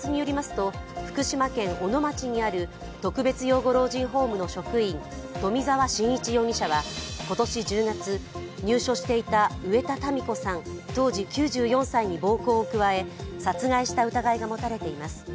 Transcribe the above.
警察によりますと、福島県小野町にある特別養護老人ホームの職員、冨澤伸一容疑者は今年１０月、入所していた植田タミ子さん、当時９４歳に殺害した疑いが持たれています。